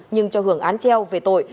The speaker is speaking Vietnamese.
nhưng cho hưởng án treo về tội